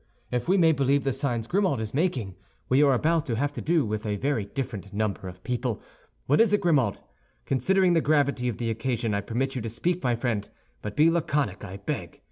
_ if we may believe the signs Grimaud is making, we are about to have to do with a very different number of people. What is it, Grimaud? Considering the gravity of the occasion, I permit you to speak, my friend; but be laconic, I beg.